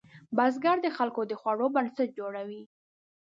بزګر د خلکو د خوړو بنسټ جوړوي